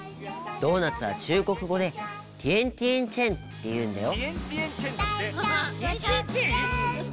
ドーナツは中国語で「ティエンティエンチェン」っていうんだよ。